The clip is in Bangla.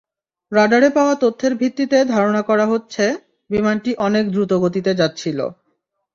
রাডারে পাওয়া তথ্যের ভিত্তিতে ধারণা করা হচ্ছে, বিমানটি অনেক দ্রুতগতিতে যাচ্ছিল।